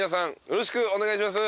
よろしくお願いします。